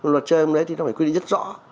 luật chơi ở trong đấy thì nó phải quy định rất rõ